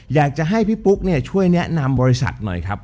อยากจะให้พี่ปุ๊กช่วยแนะนำบริษัทหน่อยครับ